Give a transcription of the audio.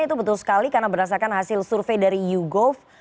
itu betul sekali karena berdasarkan hasil survei dari yougov